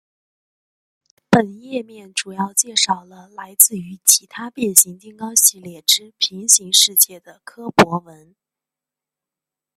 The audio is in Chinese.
本页面主要介绍了来自于其他变形金刚系列之平行世界的柯博文。